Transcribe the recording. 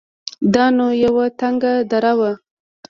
دا نو يوه تنگه دره وه.